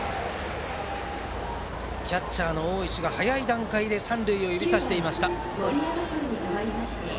キャッチャーの大石が早い段階で三塁を指さしていました。